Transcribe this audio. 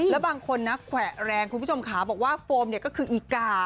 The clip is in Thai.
แล้วบางคนแขว้แรงคุณผู้ชมค้าบอกว่าโฟมถึงก็คืออีกา